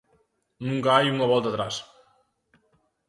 Nunca hai unha volta atrás.